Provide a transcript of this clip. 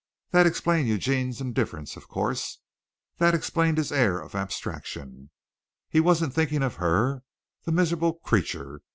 That explained Eugene's indifference, of course. That explained his air of abstraction. He wasn't thinking of her, the miserable creature!